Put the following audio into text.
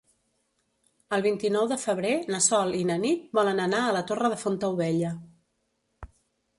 El vint-i-nou de febrer na Sol i na Nit volen anar a la Torre de Fontaubella.